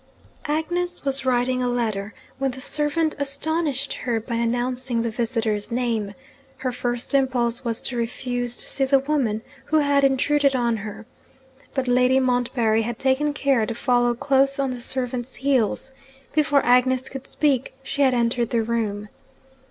Agnes was writing a letter, when the servant astonished her by announcing the visitor's name. Her first impulse was to refuse to see the woman who had intruded on her. But Lady Montbarry had taken care to follow close on the servant's heels. Before Agnes could speak, she had entered the room.